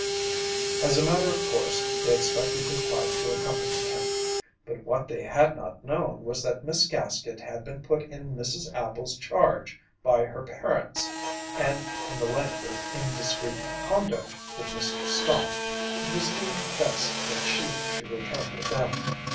As a matter of course they expected his wife to accompany him, but what they had not known was that Miss Gaskett had been put in Mrs. Appel's charge by her parents and in the light of her indiscreet conduct with Mr. Stott it was deemed best that she should return with them.